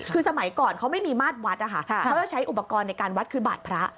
คือสมัยก่อนเขาไม่มีมาตรวัดนะคะเขาจะใช้อุปกรณ์ในการวัดคือบาดพระ